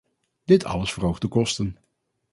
Dit alles verhoogt de kosten.